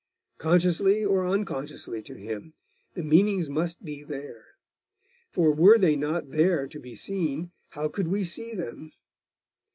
Consciously or unconsciously to him, the meanings must be there; for were they not there to be seen, how could we see them?